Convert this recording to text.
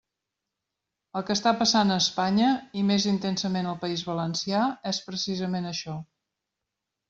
El que està passant a Espanya, i més intensament al País Valencià, és precisament això.